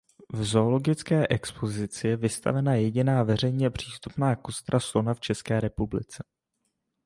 V zoologické expozici je vystavena jediná veřejně přístupná kostra slona v České republice.